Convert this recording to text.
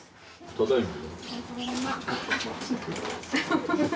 ただいま。